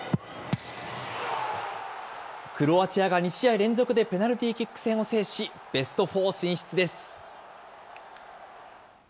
クロアチアが２試合連続でペナルティーキック戦を制し、ベストフォー進出です。